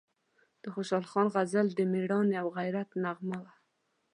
د خوشحال خان غزل د میړانې او غیرت نغمه وه،